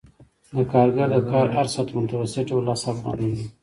د کارګر د کار هر ساعت په متوسط ډول لس افغانۍ دی